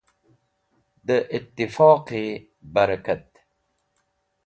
Dẽ itifoqi bẽrkat.